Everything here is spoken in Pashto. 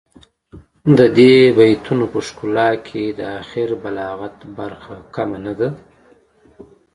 د دې بیتونو په ښکلا کې د اخر بلاغت برخه کمه نه ده.